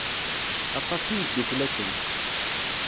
Aṭas i neddukel akken.